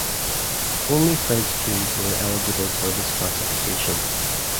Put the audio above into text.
Only French teams were eligible for this classification.